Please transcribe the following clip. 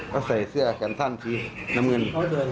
ก็ใส่เสื้อแขนสั้นสีน้ำเงิน